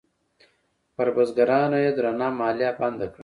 پر بزګرانو یې درنه مالیه بنده کړه.